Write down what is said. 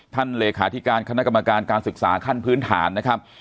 เลขาธิการคณะกรรมการการศึกษาขั้นพื้นฐานนะครับ